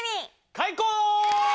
開講！